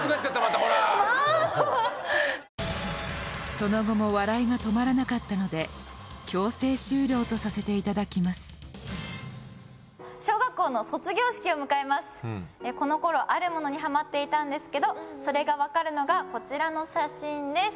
その後も笑いが止まらなかったのでこのころあるものにハマっていたんですけどそれがわかるのがこちらの写真です。